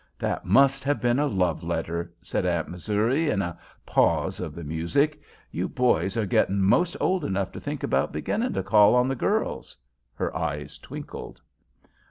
"That must have been a love letter," said Aunt Missouri, in a pause of the music. "You boys are getting ''most old enough to think about beginning to call on the girls." Her eyes twinkled.